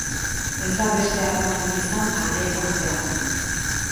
Ez da beste harremanik izan aldeen artean.